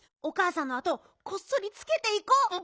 おかあさんのあとこっそりつけていこう！